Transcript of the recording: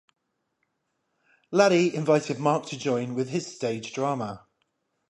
Laddie invited Mark to join with his stage drama.